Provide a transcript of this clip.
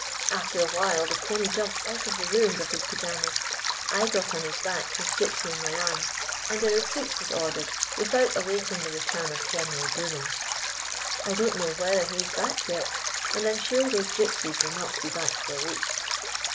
After a while the pony jumped out of the ruins of his pajamas; I got on his back with Gypsy in my arms, and a retreat was ordered without awaiting the return of General Bruno. I don't know whether he is back yet, and I 'm sure those Gypsies will not be back for a week."